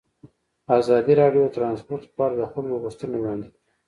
ازادي راډیو د ترانسپورټ لپاره د خلکو غوښتنې وړاندې کړي.